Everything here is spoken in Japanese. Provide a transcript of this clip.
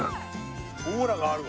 オーラがあるわ。